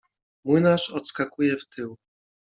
Młynarz odskakuje w tył.